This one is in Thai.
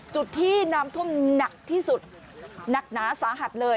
จุดที่น้ำท่วมหนักที่สุดหนักหนาสาหัสเลย